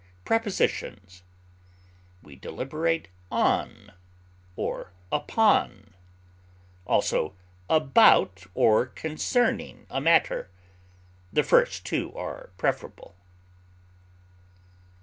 Prepositions: We deliberate on or upon, also about or concerning a matter: the first two are preferable.